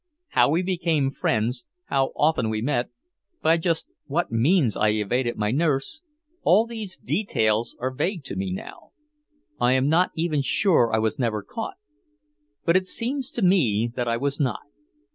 How we became friends, how often we met, by just what means I evaded my nurse, all these details are vague to me now. I am not even sure I was never caught. But it seems to me that I was not.